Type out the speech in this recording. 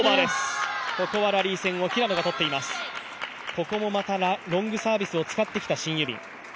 ここもまたロングサービスを使ってきたシン・ユビン。